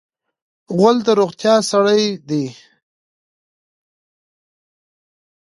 غول د روغتیا سړی دی.